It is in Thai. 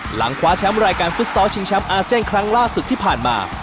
หลังคว้าแชมป์รายการฟุตซอลชิงแชมป์อาเซียนครั้งล่าสุดที่ผ่านมา